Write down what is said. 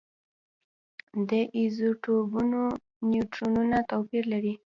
د ایزوټوپونو نیوټرونونه توپیر لري.